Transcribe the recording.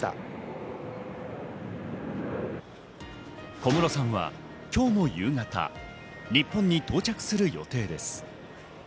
小室さんは今日の夕方、日本に到着する予定です。